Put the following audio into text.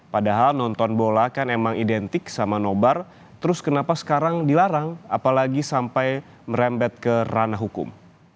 padahal nonton bola kan emang identik sama nobar terus kenapa sekarang dilarang apalagi sampai merembet ke ranah hukum